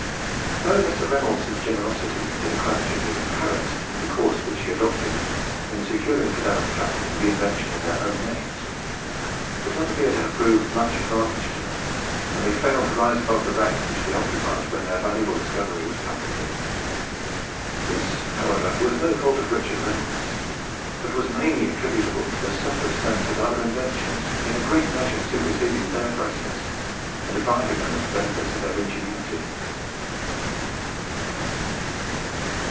Though Mr. Reynolds's generosity to the Craneges is apparent; in the course which he adopted in securing for them a patent for the invention in their own names, it does not appear to have proved of much advantage to them; and they failed to rise above the rank which they occupied when their valuable discovery was patented. This, however, was no fault of Richard Reynolds, but was mainly attributable to the circumstance of other inventions in a great measure superseding their process, and depriving them of the benefits of their ingenuity.